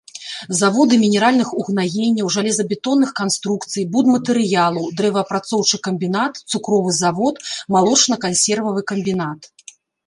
Заводы мінеральных угнаенняў, жалезабетонных канструкцый, будматэрыялаў, дрэваапрацоўчы камбінат, цукровы завод, малочна-кансервавы камбінат.